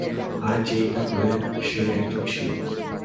আর যে এটা করে সে একজন শিল্পী।